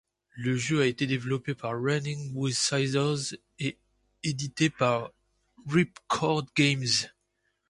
Le jeu a été développé par Running With Scissors et édité par Ripcord Games.